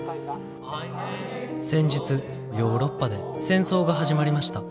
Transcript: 「先日ヨーロッパで戦争が始まりました。